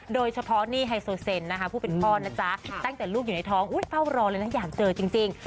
โดยเฉพาะนี่ไฮโซเซนนะคะผู้เป็นพ่อนะจ๊ะตั้งแต่ลูกอยู่ในท้องเฝ้ารอเลยนะอยากเจอจริง